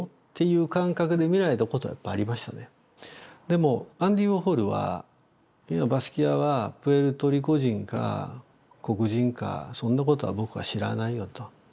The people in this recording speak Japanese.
でもアンディ・ウォーホルは「バスキアはプエルトリコ人か黒人かそんなことは僕は知らないよ」と。